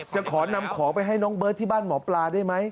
จะขอนำของไปให้น้องเบิร์ตที่บ้านหมอปลาได้ไหม